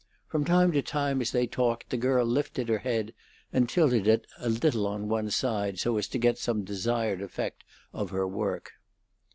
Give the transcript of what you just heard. From time to time, as they talked, the girl lifted her head and tilted it a little on one side so as to get some desired effect of her work.